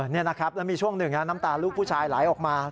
นี่นะครับแล้วมีช่วงหนึ่งน้ำตาลูกผู้ชายไหลออกมา